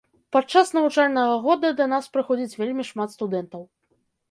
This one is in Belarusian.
Падчас навучальнага года да нас прыходзіць вельмі шмат студэнтаў.